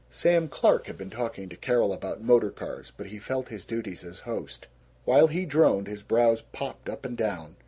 Sam Clark had been talking to Carol about motor cars, but he felt his duties as host. While he droned, his brows popped up and down.